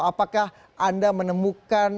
apakah anda menemukan